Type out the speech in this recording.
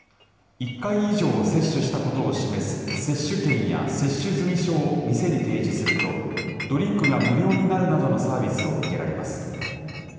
１回以上接種したことを示す接種券や接種済証を店に提示すると、ドリンクが無料になるなどのサービスを受けられます。